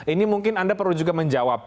ini mungkin anda perlu juga menjawab